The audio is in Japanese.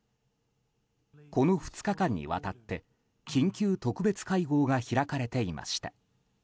この２日間にわたって緊急特別会合が開かれていました。